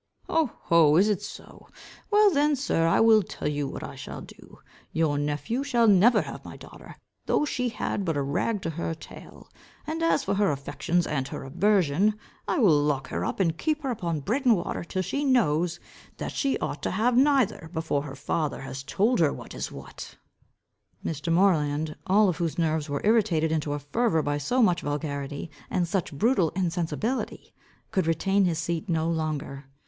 "Oh, ho! is it so. Well then, sir, I will tell you what I shall do. Your nephew shall never have my daughter, though she had but a rag to her tail. And as for her affections and her aversion, I will lock her up, and keep her upon bread and water, till she knows, that she ought to have neither, before her own father has told her what is what." Mr. Moreland, all of whose nerves were irritated into a fever by so much vulgarity, and such brutal insensibility, could retain his seat no longer.